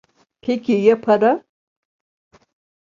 Peki ya para?